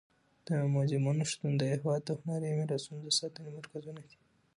د موزیمونو شتون د یو هېواد د هنري میراثونو د ساتنې مرکزونه دي.